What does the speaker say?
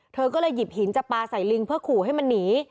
เธอก็เลยหยิบหินจะปลาใส่ลิงเพื่อขู่ให้มันหนี